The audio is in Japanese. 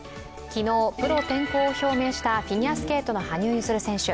昨日、プロ転向を表明したフィギュアスケートの羽生結弦選手。